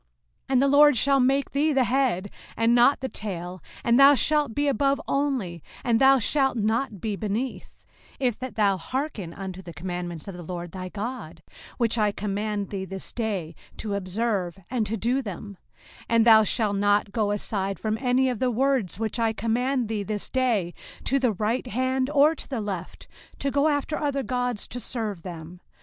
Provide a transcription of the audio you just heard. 05:028:013 And the LORD shall make thee the head, and not the tail; and thou shalt be above only, and thou shalt not be beneath; if that thou hearken unto the commandments of the LORD thy God, which I command thee this day, to observe and to do them: 05:028:014 And thou shalt not go aside from any of the words which I command thee this day, to the right hand, or to the left, to go after other gods to serve them.